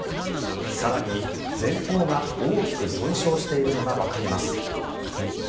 更に前方が大きく損傷しているのがわかります。